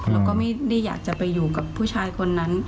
แล้วก็ไม่ได้อยากจะไปอยู่กับผู้ชายคนนั้น